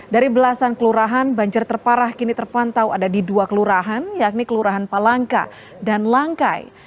dari belasan kelurahan banjir terparah kini terpantau ada di dua kelurahan yakni kelurahan palangka dan langkai